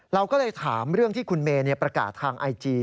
เราก็เลยถามเรื่องที่คุณเมย์ประกาศทางไอจี